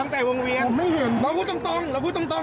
ตั้งแต่วงเวียนผมไม่เห็นเราพูดตรงเราพูดตรง